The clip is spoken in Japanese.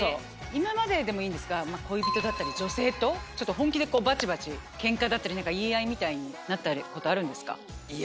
今まででもいいんですが恋人だったり女性とちょっと本気でバチバチケンカだったり言い合いみたいになったことあるんですか？